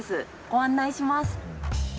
ご案内します。